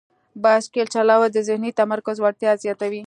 بایسکل چلول د ذهني تمرکز وړتیا زیاتوي.